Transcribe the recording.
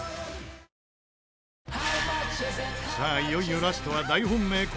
いよいよラストは大本命